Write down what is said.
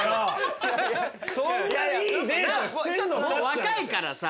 若いからさ。